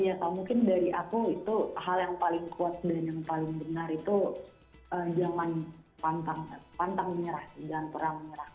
ya mungkin dari aku itu hal yang paling kuat dan yang paling benar itu jangan pantang menyerah jangan pernah menyerah